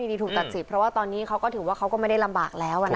นี่ถูกตัดสิทธิเพราะว่าตอนนี้เขาก็ถือว่าเขาก็ไม่ได้ลำบากแล้ว